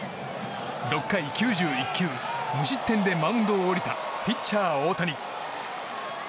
６回９１球無失点でマウンドを降りたピッチャー